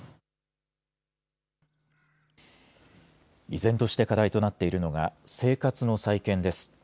依然として課題となっているのが生活の再建です。